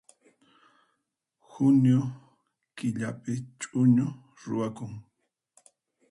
Junio killapi ch'uñu ruwakun